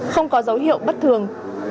không có dấu hiệu bất thường